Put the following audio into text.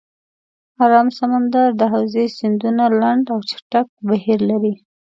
آرام سمندر د حوزې سیندونه لنډ او چټک بهیر لري.